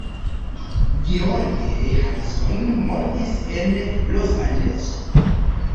George Harrison mortis en Losanĝeleso.